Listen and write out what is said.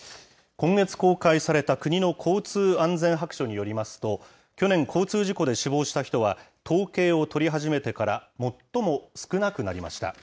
今月公開された国の交通安全白書によりますと、去年、交通事故で死亡した人は、統計を取り始めてから最も少なくなりました。